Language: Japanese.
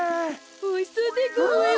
おいしそうでごわす！